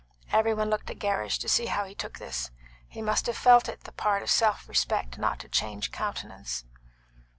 Every one looked at Gerrish to see how he took this; he must have felt it the part of self respect not to change countenance.